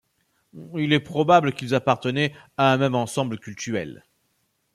Il est probable qu'ils appartenaient à un même ensemble cultuel.